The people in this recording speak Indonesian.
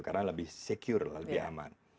karena lebih secure lebih aman